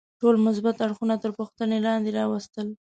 ټول مثبت اړخونه تر پوښتنې لاندې راوستل.